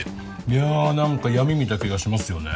いや何か闇見た気がしますよね。